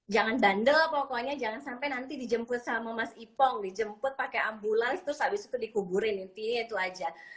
jangan bandel pokoknya jangan sampai nanti dijemput sama mas ipong dijemput pakai ambulans terus habis itu dikuburin intinya itu aja